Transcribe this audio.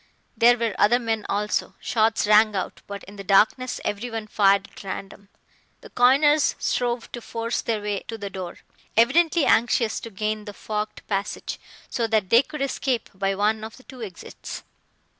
There were other men also. Shots rang out, but in the darkness everyone fired at random. The coiners strove to force their way to the door, evidently anxious to gain the forked passage, so that they could escape by one of the two exits.